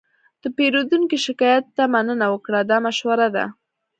د پیرودونکي شکایت ته مننه وکړه، دا مشوره ده.